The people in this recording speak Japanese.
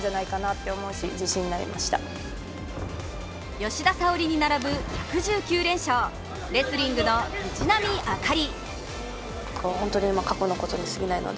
吉田沙保里に並ぶ１１９連勝、レスリングの藤波朱理。